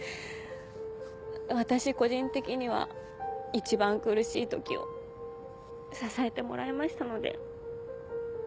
私個人的には一番苦しい時を支えてもらいましたので。